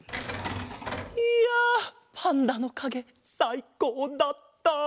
いやパンダのかげさいこうだった！